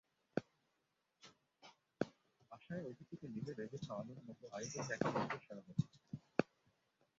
বাসায় অতিথিকে নিজে রেঁধে খাওয়ানোর মতো আয়োজন দেখা গেছে সারা বছর।